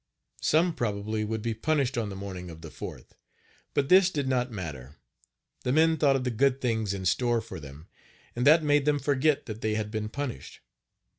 Some, probably, would be punished on the morning of the 4th, but this did not matter; the men thought of the good things in store for them, and that made them forget that they had been punished.